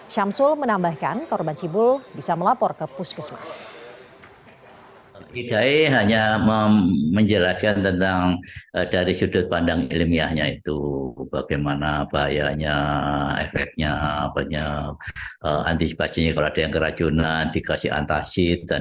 syamsul menambahkan korban cibul bisa melapor ke puskesmas